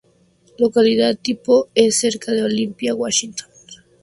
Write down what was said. Localidad tipo es cerca de Olympia, Washington.